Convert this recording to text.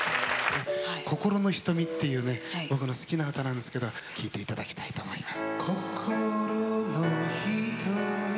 心の瞳っていうね、僕の好きな歌なんですけれども、聴いていただきたいと思います。